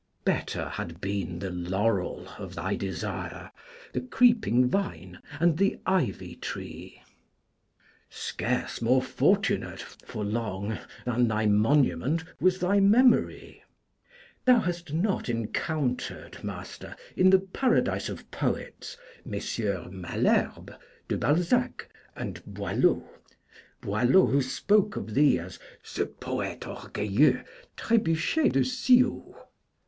Better had been the laurel of thy desire, the creeping vine, and the ivy tree. Scarce more fortunate, for long, than thy monument was thy memory. Thou hast not encountered, Master, in the Paradise of Poets, Messieurs Malherbe, De Balzac, and Boileau Boileau who spoke of thee as _Ce poéte orgueilleux trébuché de si haut!